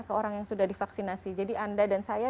ke orang yang sudah divaksinasi jadi anda dan saya